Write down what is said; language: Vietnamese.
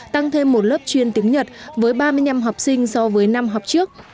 tăng thêm một lớp chuyên tiếng nhật với ba mươi năm học sinh so với năm học trước